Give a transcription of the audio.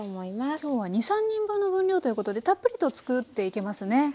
今日は２３人分の分量ということでたっぷりと作っていけますね。